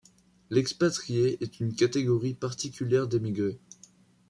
L'expatrié est une catégorie particulière d'émigré.